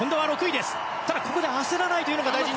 ただ、ここで焦らないのが大事。